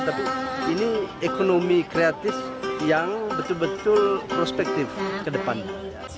tapi ini ekonomi kreatif yang betul betul prospektif ke depannya